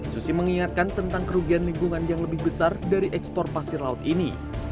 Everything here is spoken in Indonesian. susi mengingatkan tentang kerugian lingkungan yang lebih besar dari ekspor pasir laut ini